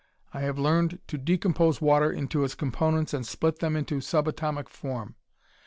I have learned to decompose water into its components and split them into subatomic form.